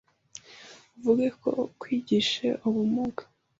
Evuge ko kwigishe ubumuge